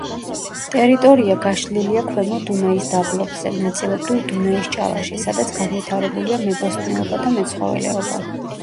ტერიტორია გაშლილია ქვემო დუნაის დაბლობზე, ნაწილობრივ დუნაის ჭალაში, სადაც განვითარებულია მებოსტნეობა და მეცხოველეობა.